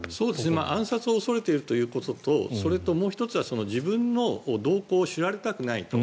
暗殺を恐れてるということともう１つは自分の動向を知られたくないと。